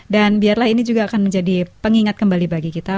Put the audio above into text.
dan biarlah ini juga akan menjadi pengingat kembali bagi kita